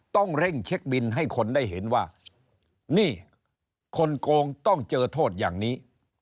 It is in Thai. ต้องเร่งเช็คบินให้คนได้เห็นว่านี่คนโกงต้องเจอโทษอย่างนี้